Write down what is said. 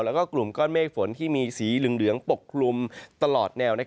แล้วก็กลุ่มก้อนเมฆฝนที่มีสีเหลืองปกคลุมตลอดแนว